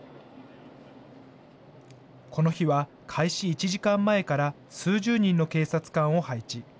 この日は、開始１時間前から数十人の警察官を配置。